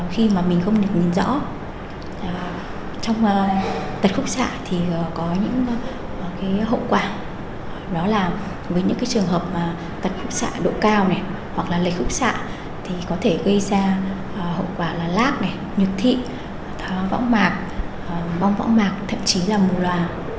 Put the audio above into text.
khi mà mình không được nhìn rõ trong tật khúc xạ thì có những hậu quả đó là với những trường hợp tật khúc xạ độ cao hoặc là lệ khúc xạ thì có thể gây ra hậu quả là lác nhược thị võng mạc bong võng mạc thậm chí là mù loà